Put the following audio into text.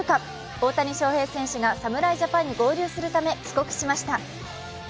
大谷翔平選手が侍ジャパンに合流するため帰国しました。